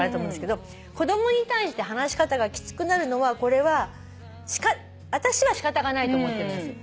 子供に対して話し方がきつくなるのはこれは私はしかたがないと思ってるんです。